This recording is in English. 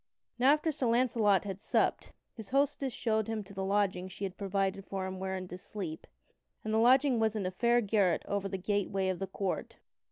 Now after Sir Launcelot had supped, his hostess showed him to the lodging she had provided for him wherein to sleep, and the lodging was in a fair garret over the gateway of the court.